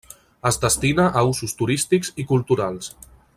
Es destina a usos turístics i culturals.